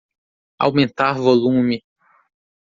Aumentar volume.